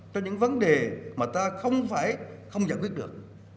cho những vấn đề mà ta không phải không giải quyết được